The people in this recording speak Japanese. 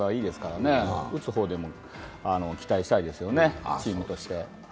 打つ方でも期待したいですよね、チームとして。